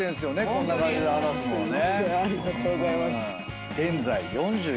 こんな感じで話すのはね。